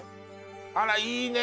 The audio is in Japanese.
あらいいね